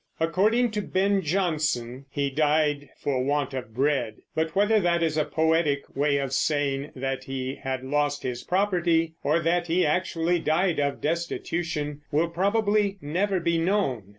According to Ben Jonson he died "for want of bread"; but whether that is a poetic way of saying that he had lost his property or that he actually died of destitution, will probably never be known.